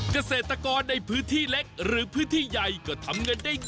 เกษตรกรในพื้นที่เล็กหรือพื้นที่ใหญ่ก็ทำเงินได้ง่าย